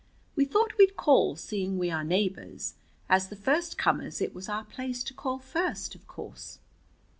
"We thought we'd call, seeing we are neighbors. As the first comers it was our place to call first, of course."